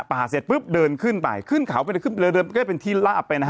ป่าเสร็จปุ๊บเดินขึ้นไปขึ้นเข่าไปก็จะเป็นที่ลาบไปนะฮะ